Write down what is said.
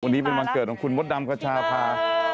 วันนี้เป็นวันเกิดของคุณมดดำคชาพา